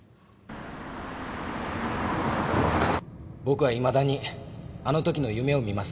僕はいまだにあの時の夢を見ます。